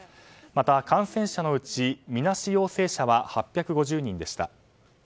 また、感染者のうちみなし陽性者は８５０人でした。